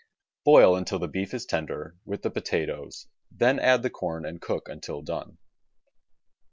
Boil until the beef is tender, with the potatoes, then add the corn and cook until done.